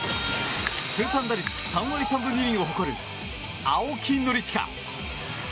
通算打率３割３分２厘を誇る青木宣親。